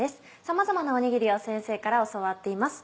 さまざまなおにぎりを先生から教わっています。